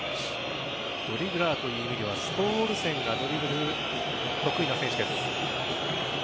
ドリブラーという意味ではスコウオルセンがドリブル、得意な選手です。